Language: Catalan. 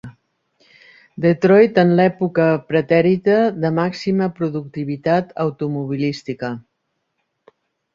Detroit en l'època pretèrita de màxima productivitat automobilística.